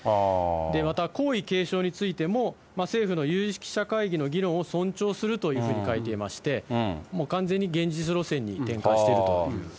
また皇位継承についても、政府の有識者会議の議論を尊重するというふうに書いていまして、もう完全に現実路線に転換しているという。